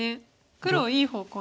黒をいい方向に。